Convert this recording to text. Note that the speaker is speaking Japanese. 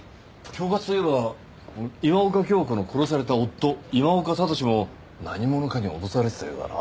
恐喝といえば今岡鏡子の殺された夫今岡智司も何者かに脅されてたようだな。